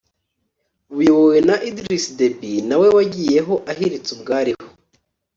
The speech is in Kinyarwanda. buyobowe na Idriss Deby nawe wagiyeho ahiritse ubwariho